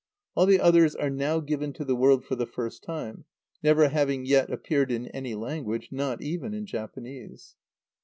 All the others are now given to the world for the first time, never having yet appeared in any language, not even in Japanese.